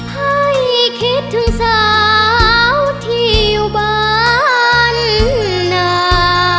ให้คิดถึงสาวที่อยู่บ้านนา